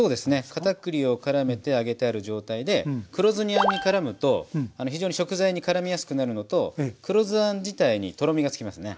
かたくりをからめて揚げてある状態で黒酢あんにからむと非常に食材にからみやすくなるのと黒酢あん自体にとろみがつきますね。